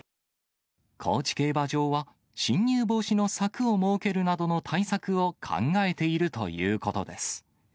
高知競馬場は、進入防止の柵を設けるなどの対策を考えているということです。